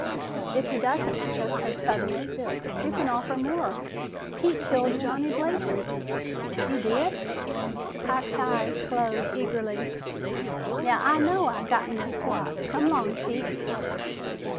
"If he doesn't," Jeff said suddenly, "you can offer more. Pete killed Johnny Blazer!" "He did?" Ike's eyes glowed eagerly. "Now I know I got me a swap! Come 'long, Pete."